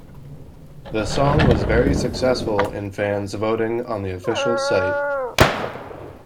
The song was very successful in fans' voting on the official site.